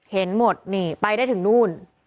เห็นหมดนี่ไปได้ถึงนู่น